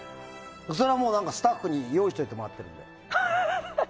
それはスタッフに用意してもらってるんで。